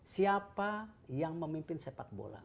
siapa yang memimpin sepak bola